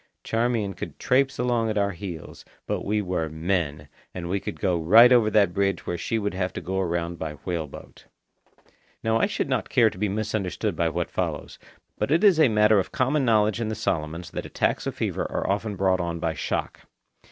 Charmian could trapse along at our heels, but we were MEN, and we could go right over that bridge while she would have to go around by whale boat. Now I should not care to be misunderstood by what follows; but it is a matter of common knowledge in the Solomons that attacks of fever are often brought on by shock.